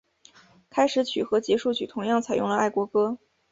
开始曲和结束曲同样采用了爱国歌。